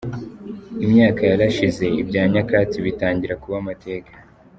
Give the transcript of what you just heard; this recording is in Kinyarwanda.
Imyaka yarashize ibya nyakatsi bitangira kuba amateka.